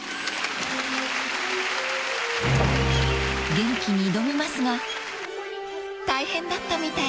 ［元気に挑みますが大変だったみたい］